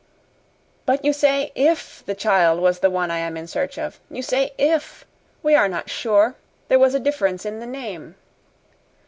"But you say 'IF the child was the one I am in search of. You say 'if.' We are not sure. There was a difference in the name."